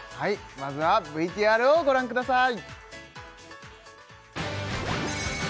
まずはＶＴＲをご覧ください